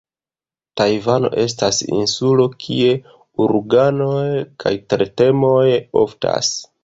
Tajvano estas insulo, kie uraganoj kaj tertremoj oftas.